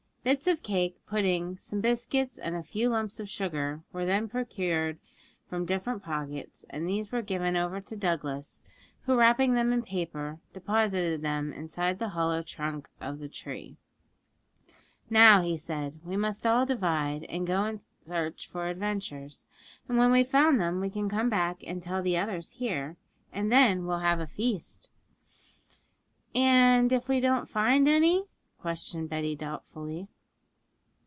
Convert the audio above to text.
Bits of cake, pudding, some biscuits, and a few lumps of sugar were then produced from different pockets, and these were given over to Douglas, who, wrapping them in paper, deposited them inside the hollow trunk of the tree. 'Now,' he said, 'we must all divide, and go in search for adventures; and when we've found them, we can come back and tell the others here, and then we'll have a feast.' 'And if we don't find any?' questioned Betty doubtfully.